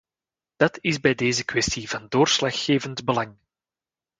Dat is bij deze kwestie van doorslaggevend belang.